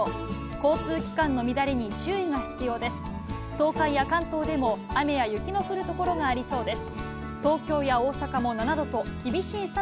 交通機関の乱れに注意が必要です。